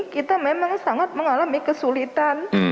kita memang sangat mengalami kesulitan